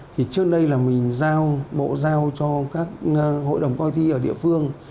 thì trước đây là mình giao bộ giao cho các hội đồng coi thi ở địa phương